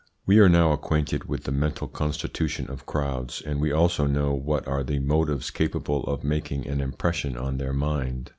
We are now acquainted with the mental constitution of crowds, and we also know what are the motives capable of making an impression on their mind.